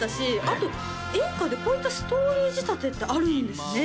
あと演歌でこういったストーリー仕立てってあるんですね